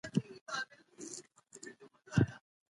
موږ باید خپل لګښتونه وپېژنو.